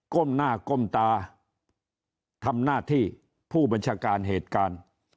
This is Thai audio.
ก้มหน้าก้มตาทำหน้าที่ผู้บัญชาการเหตุการณ์